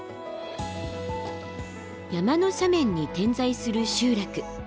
山の斜面に点在する集落。